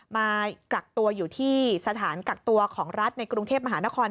มากักตัวอยู่ที่สถานกักตัวของรัฐในกรุงเทพมหานคร